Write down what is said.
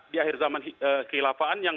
di akhir zaman kehilafaan yang